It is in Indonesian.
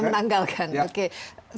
sekarang ya menanggalkan